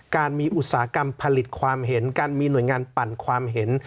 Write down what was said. การมีอุตสาหกรรมผลิตความเห็นการมีหน่วยงานปั่นความเห็น